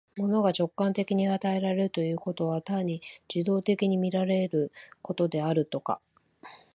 物が直観的に与えられるということは、単に受働的に見られることであるとか、